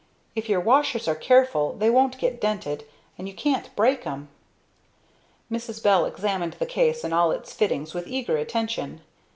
If your washers are careful they won't get dented, and you can't break 'em." Mrs. Bell examined the case and all its fittings with eager attention.